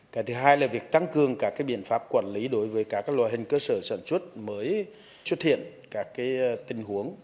cái thứ hai là việc tăng cường các biện pháp quản lý đối với các loại hình cơ sở sản xuất mới xuất hiện các tình huống